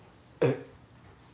えっ⁉